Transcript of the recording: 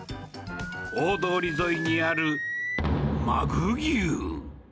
大通り沿いにある鮪牛。